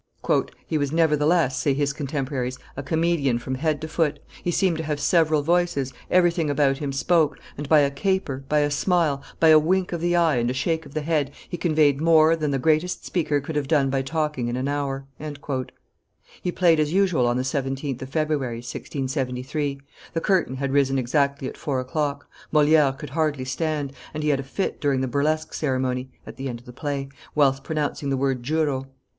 "He was, nevertheless," say his contemporaries, "a comedian from head to foot; he seemed to have several voices, everything about him spoke, and, by a caper, by a smile, by a wink of the eye and a shake of the head, he conveyed more than, the greatest speaker could have done by talking in an hour." He played as usual on the 17th of February, 1673; the curtain had risen exactly at four o'clock; Moliere could hardly stand, and he had a fit during the burlesque ceremony (at the end of the play) whilst pronouncing the word Juro.